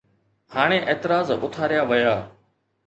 هاڻي اعتراض اٿاريا ويا.